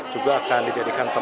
juga akan dijadikan komponen